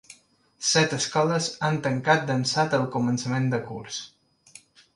Set escoles han tancat d’ençà del començament de curs.